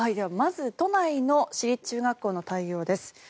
まず都内の私立中学校の対応です。